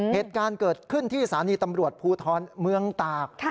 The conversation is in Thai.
เหตุการณ์เกิดขึ้นที่สถานีตำรวจภูทรเมืองตาก